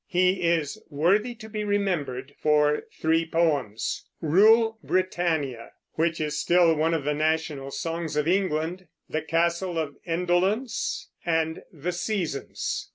He is "worthy to be remembered" for three poems, "Rule Britannia," which is still one of the national songs of England The Castle of Indolence, and The Seasons.